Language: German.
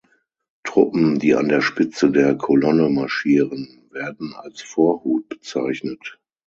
Truppen, die an der Spitze der Kolonne marschieren, werden als Vorhut bezeichnet.